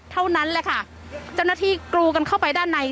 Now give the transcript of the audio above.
เท่านั้นแหละค่ะเจ้าหน้าที่กรูกันเข้าไปด้านใน